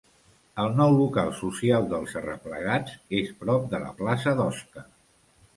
El nou local social dels Arreplegats és prop de Plaça d'Osca